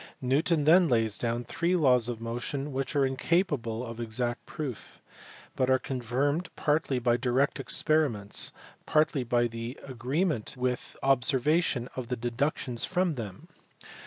Newton then lays down three laws of motion which are incapable of exact proof, but are confirmed partly by direct experiments, partly by the agreement with observation of the deductions from them.